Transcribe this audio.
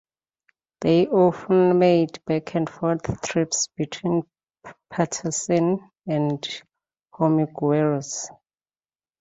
They often made back-and-forth trips between Paterson and Hormigueros.